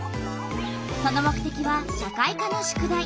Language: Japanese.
その目てきは社会科の宿題。